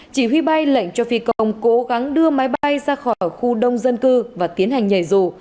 chỉ huy bay lệnh cho phi công cố gắng đưa máy bay ra khỏi khu đông dân cư và tiến hành nhảy dù